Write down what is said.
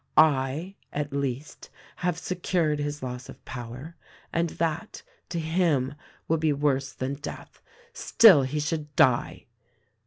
I, at least, have secured his loss of power — and that — to him — will be worse than death. Still he should die